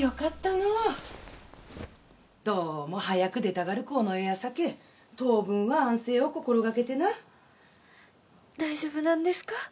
のうどうも早く出たがる子のようやさけ当分は安静を心がけてな大丈夫なんですか？